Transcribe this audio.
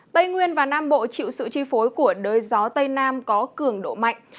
tây nguyên và nam bộ chịu sự chi phối của đới gió tây nam có cường độ mạnh